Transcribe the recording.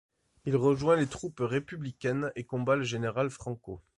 Il rejoint les troupes républicaines et combat le Général Franco.